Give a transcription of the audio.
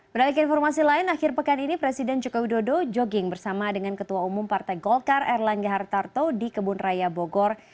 beralik informasi lain akhir pekan ini presiden jokowi dodo jogging bersama dengan ketua umum partai golkar erlangga hartarto di kebun raya bogor